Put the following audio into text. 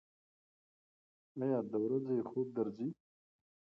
ایا د ورځې خوب درځي؟